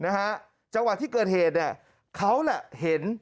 นะฮะจังหวะที่เกิดเหตุเนี่ยเขาแหละเห็น